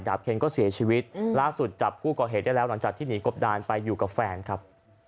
เคนก็เสียชีวิตล่าสุดจับผู้ก่อเหตุได้แล้วหลังจากที่หนีกบดานไปอยู่กับแฟนครับ